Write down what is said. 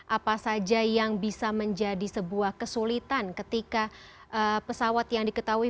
apa saja yang bisa menjadi sebuah kesulitan ketika pesawat yang diketahui